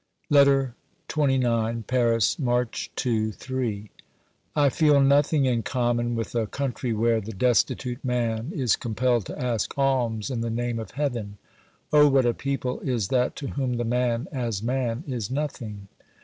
LETTER XXIX Paris, March 2 (III). I feel nothing in common with a country where the destitute man is compelled to ask alms in the name of Heaven. Oh what a people is that to whom the man as man is nothing